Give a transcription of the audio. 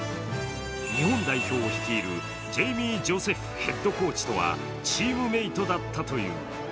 日本代表を率いるジェイミー・ジョセフヘッドコーチとはチームメートだったという。